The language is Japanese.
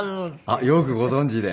あっよくご存じで。